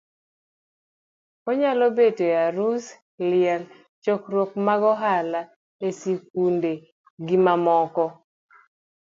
onyalo bet e arus, liel, chokruok mag ohala,e skunde gimamoko.